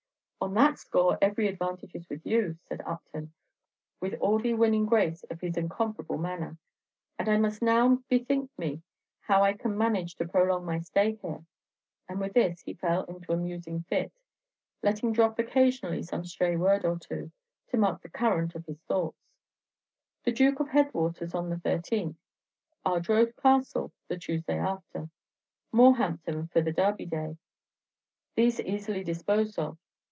"On that score every advantage is with you," said Upton, with all the winning grace of his incomparable manner; "and I must now bethink me how I can manage to prolong my stay here." And with this he fell into a musing fit, letting drop occasionally some stray word or two, to mark the current of his thoughts: "The Duke of Headwater's on the thirteenth; Ardroath Castle the Tuesday after; More hampton for the Derby day. These easily disposed of.